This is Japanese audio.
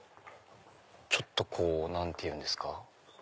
ちょっとこう何て言うんですか。